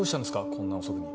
こんな遅くに。